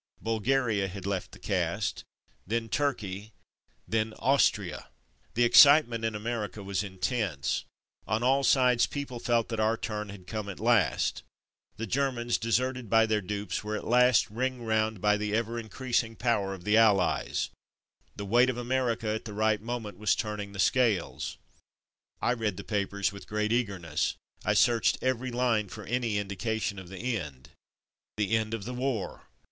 Bulgaria had left the cast, then Turkey, then Austria! The excitement in America was intense. On all sides people felt that our turn had come at last. The Germans, deserted by their dupes, were at last ringed round by Go Sick 307 the ever increasing power of the Allies. The weight of America at the right moment was turning the scale. I read the papers with great eagerness. I searched every line for any indication of the end. The end of the war!